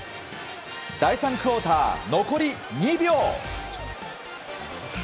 第３クオーター、残り２秒。